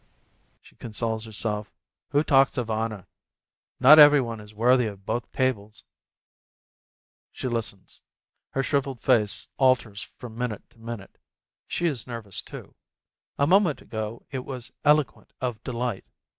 she consoles herself, "who talks of honor? Not every one is worthy of both tables !" She listens. Her shrivelled face alters from minute to minute; she is nervous, too. A moment ago it was eloquent of delight.